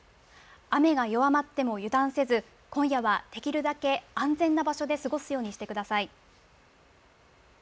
雨が弱まっても油断せず、今夜はできるだけ安全な場所で過ごすようにしてください。